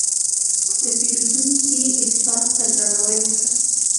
د پیرودونکي احساس ته درناوی وکړه.